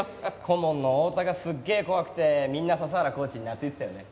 顧問の大田がすっげえ怖くてみんな笹原コーチに懐いてたよね。